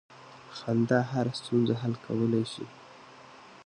• خندا هره ستونزه حل کولی شي.